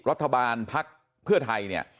รัฐบาลภักดิ์เพื่อไทยเนี่ย